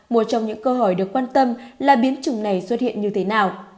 một trong những câu hỏi được quan tâm là biến chủng này xuất hiện như thế nào